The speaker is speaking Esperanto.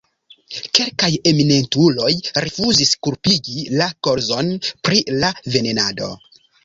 Kelkaj eminentuloj rifuzis kulpigi la kolzon pri la venenado.